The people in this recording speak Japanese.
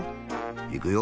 いくよ。